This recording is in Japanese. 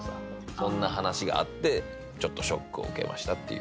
そんな話があってちょっとショックを受けましたっていう。